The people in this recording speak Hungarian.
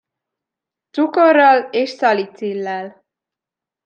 Cukorral és szalicillel.